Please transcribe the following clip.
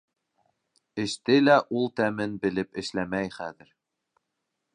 Эште лә ул тәмен белеп эшләмәй хәҙер.